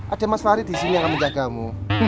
ada mas fahri disini yang akan menjagamu